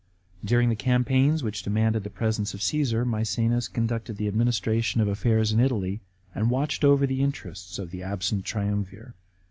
During the campaigns which demanded the presence of Ctasar, Msecenas conducted the administration of affairs in Italy, and watched over the interests of the absent triumvir.